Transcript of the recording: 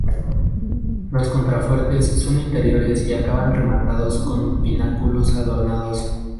Los contrafuertes son interiores y acaban rematados con pináculos adornados.